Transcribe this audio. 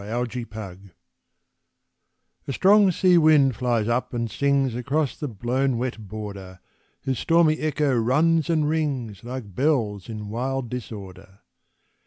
Illa Creek A strong sea wind flies up and sings Across the blown wet border, Whose stormy echo runs and rings Like bells in wild disorder.